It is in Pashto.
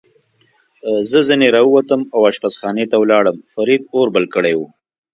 زه ځنې را ووتم او اشپزخانې ته ولاړم، فرید اور بل کړی و.